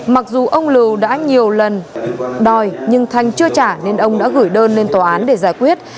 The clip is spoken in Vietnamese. mặc dù ông lưu đã nhiều lần đòi nhưng thanh chưa trả nên ông đã gửi đơn lên tòa án để giải quyết